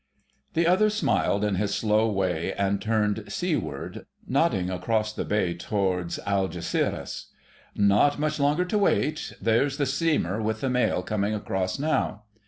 The other smiled in his slow way and turned seaward, nodding across the bay towards Algeciras. "Not much longer to wait—there's the steamer with the mail coming across now."